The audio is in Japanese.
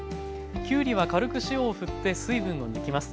きゅうりは軽く塩をふって水分を抜きます。